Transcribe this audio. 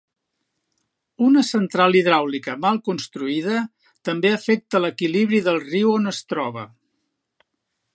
Una central hidràulica mal construïda també afecta l'equilibri del riu on es troba.